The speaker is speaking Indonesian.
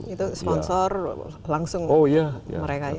itu sponsor langsung mereka ya